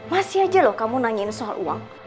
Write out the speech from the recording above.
masih aja loh kamu nanyain soal uang